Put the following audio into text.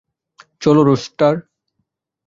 চলো, রুস্টার।